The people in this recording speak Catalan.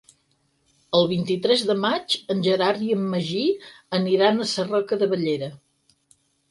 El vint-i-tres de maig en Gerard i en Magí aniran a Sarroca de Bellera.